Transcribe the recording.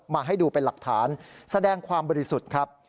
ให้ดูเป็นหลักฐานแสดงความบริสุทธิ์ครับ